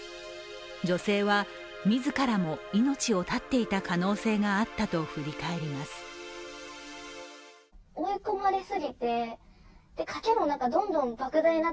女性は自らも命を絶っていた可能性があったと振り返ります。